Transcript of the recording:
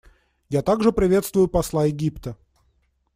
Я также приветствую посла Египта.